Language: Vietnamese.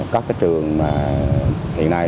các trường hiện nay